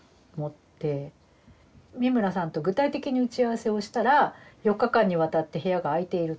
三村さんと具体的に打ち合わせをしたら４日間にわたって部屋が空いていると。